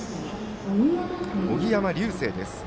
荻山琉星です。